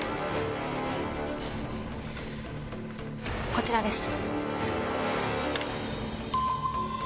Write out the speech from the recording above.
こちらです。